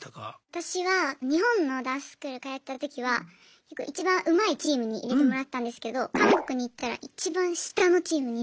私は日本のダンススクール通ってたときはいちばんうまいチームに入れてもらってたんですけど韓国に行ったらいちばん下のチームに入れられました。